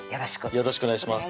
よろしくお願いします